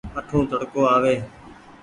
اٺون تڙڪو آوي ۔